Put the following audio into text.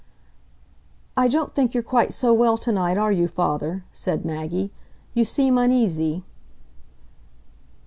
"I don't think you're quite so well to night, are you, father?" said Maggie; "you seem uneasy."